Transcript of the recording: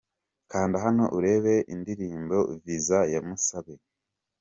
Kanda hano urebe undirimbo "Visa"ya Musabe.